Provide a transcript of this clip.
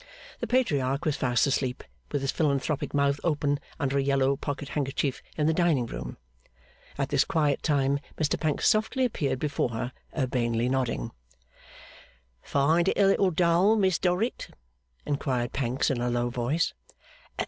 The Patriarch was fast asleep, with his philanthropic mouth open under a yellow pocket handkerchief in the dining room. At this quiet time, Mr Pancks softly appeared before her, urbanely nodding. 'Find it a little dull, Miss Dorrit?' inquired Pancks in a low voice.